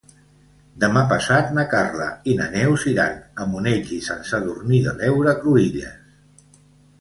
Demà passat na Carla i na Neus iran a Monells i Sant Sadurní de l'Heura Cruïlles.